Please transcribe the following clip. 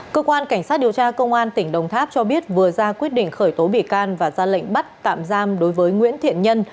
cơ quan cảnh sát điều tra công an tỉnh đồng tháp cho biết vừa ra quyết định khởi tố bị can và ra lệnh bắt tạm giam đối với nguyễn thiện nhân